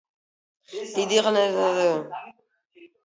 დიდი ხანია შეტანილია კულტურაში.